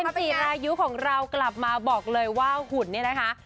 เจมส์จีรายุของเรากลับมาบอกเลยว่าหุ่นนี่นะคะ